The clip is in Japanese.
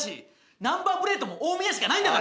ナンバープレートも大宮しかないんだから。